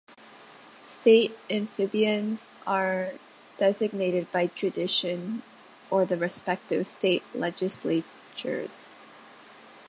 State amphibians are designated by tradition or the respective state legislatures.